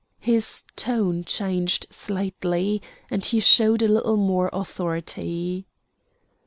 His tone changed slightly, and he showed a little more authority.